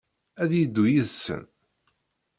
Ad yeddu yid-sen?